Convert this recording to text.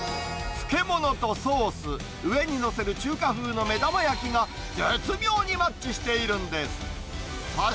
漬物とソース、上に載せる中華風の目玉焼きが絶妙にマッチしているんです。